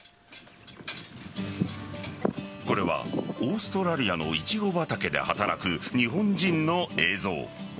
これはオーストラリアのイチゴ畑で働く日本人の映像。